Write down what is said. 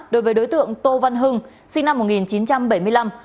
đối với đối tượng tô văn hưng sinh năm một nghìn chín trăm bảy mươi năm